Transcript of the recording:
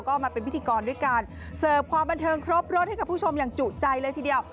ก็มาเป็นพิธีกรด้วยการเสิร์ฟความบันเทิงครบรถให้กับผู้ชมอย่างจุใจเลยทีเดียว